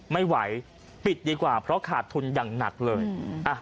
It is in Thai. ไม่ไหวปิดดีกว่าเพราะขาดทุนอย่างหนักเลยอ่ะ